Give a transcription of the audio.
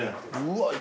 うわっ。